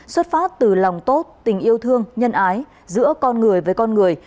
xuất phát từ lòng tốt tình yêu thương nhân ái giữa con người với con người